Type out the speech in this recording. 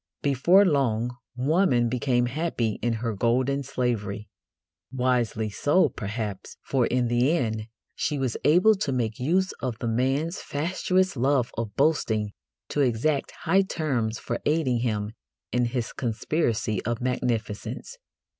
Before long woman became happy in her golden slavery. Wisely so, perhaps, for in the end she was able to make use of the man's fatuous love of boasting to exact high terms for aiding him in his conspiracy of magnificence.